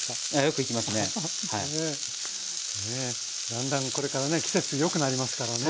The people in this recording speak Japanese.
だんだんこれからね季節よくなりますからね。